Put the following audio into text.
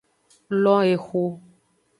Lo exo.